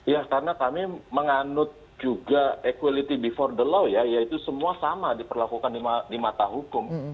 ya karena kami menganut juga equality before the law ya yaitu semua sama diperlakukan di mata hukum